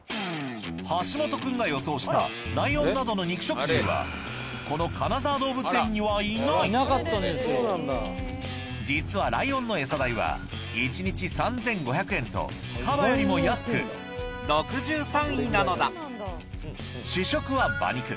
橋本君が予想したライオンなどの肉食獣はこの金沢動物園にはいない実はライオンのエサ代は１日３，５００円とカバよりも安く６３位なのだ主食は馬肉。